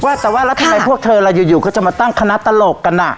ว่าแต่ว่าละทีมาพวกเธออะไรอยู่เขาจะมาตั้งคณะตลกกันอ่ะ